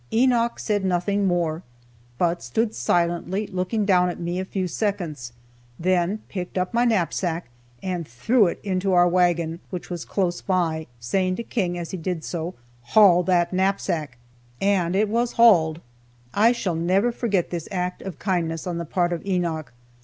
Enoch said nothing more, but stood silently looking down at me a few seconds, then picked up my knapsack and threw it into our wagon, which was close by, saying to King, as he did so, "Haul that knapsack;" and it was hauled. I shall never forget this act of kindness on the part of Enoch.